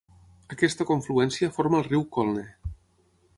Aquesta confluència forma el riu Colne.